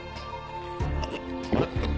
あれ？